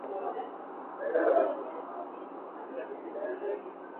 Kwa upande wa nchi za Afrika Ushelisheli, ndiyo inaongoza kwa uhuru wa vyombo vya habari